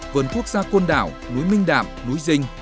vườn quốc gia côn đảo núi minh đạm núi dinh